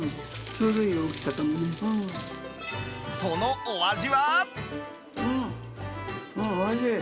そのお味は？